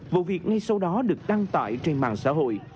vụ việc ngay sau đó được đăng tải trên mạng xã hội